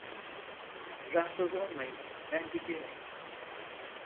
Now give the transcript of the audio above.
Rahatsız olmayın, ben gidiyorum.